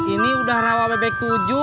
ini udah rawa bebek tujuh